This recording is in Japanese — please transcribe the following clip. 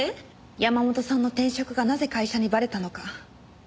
山本さんの転職がなぜ会社にバレたのか。